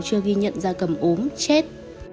chưa ghi nhận da cầm ốm chết